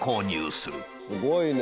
すごいね。